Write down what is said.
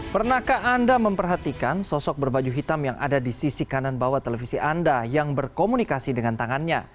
pernahkah anda memperhatikan sosok berbaju hitam yang ada di sisi kanan bawah televisi anda yang berkomunikasi dengan tangannya